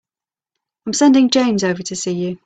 I'm sending James over to see you.